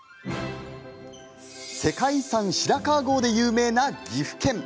世界遺産白川郷で有名な岐阜県。